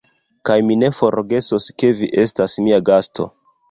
Kaj mi ne forgesos, ke vi estas mia gasto!